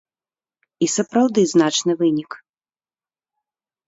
І сапраўды значны вынік.